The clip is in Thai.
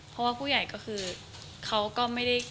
เพราะว่าผู้ใหญ่ก็คือเขาก็ไม่ได้